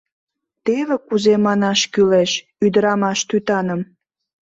Теве кузе манаш кӱлеш ӱдырамаш тӱтаным!